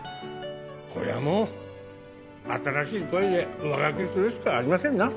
これはもう新しい恋で上書きするしかありませんな。